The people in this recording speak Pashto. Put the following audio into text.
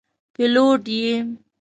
پیلوټ یې.